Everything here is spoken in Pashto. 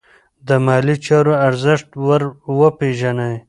د مالي چارو ارزښت ور وپیژنئ.